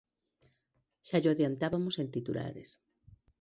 Xa llo adiantabamos en titulares.